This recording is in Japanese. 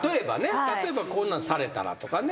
例えばこんなんされたらとかね。